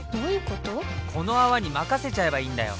この泡に任せちゃえばいいんだよ！